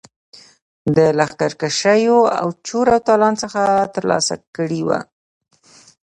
د لښکرکښیو او چور او تالان څخه ترلاسه کړي وه.